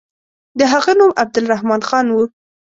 د هغه نوم عبدالرحمن خان وو.